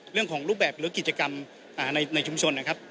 รูปแบบหรือกิจกรรมในชุมชนนะครับ